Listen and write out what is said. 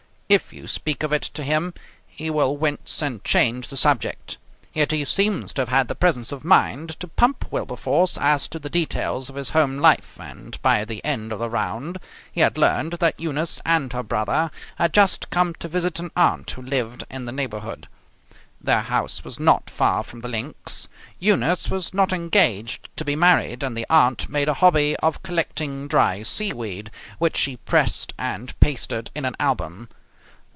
If you speak of it to him, he will wince and change the subject. Yet he seems to have had the presence of mind to pump Wilberforce as to the details of his home life, and by the end of the round he had learned that Eunice and her brother had just come to visit an aunt who lived in the neighbourhood. Their house was not far from the links; Eunice was not engaged to be married; and the aunt made a hobby of collecting dry seaweed, which she pressed and pasted in an album.